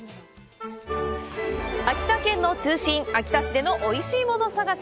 秋田県の中心、秋田市でのおいしいもの探し。